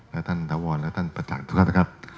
และท่านธวรณ์และท่านประจักรทุกครั้งนะครับ